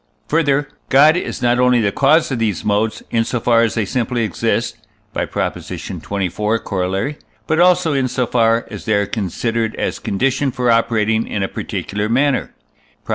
Further, God is not only the cause of these modes, in so far as they simply exist (by Prop. xxiv, Coroll.), but also in so far as they are considered as conditioned for operating in a particular manner (Prop.